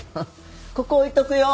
ここ置いとくよ。